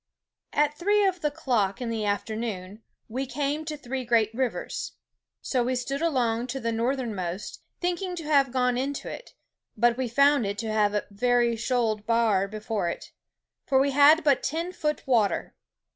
"At three of the clock in the afternoone we came to three great rivers. So we stood along to the northernmost, thinking to have gone into it, but we found it to have a very shoald barre before it, for we had but ten foot water.